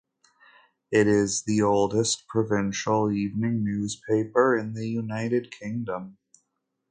It is the oldest provincial evening newspaper in the United Kingdom.